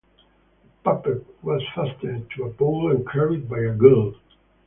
The puppet was fastened to a pole and carried by a girl.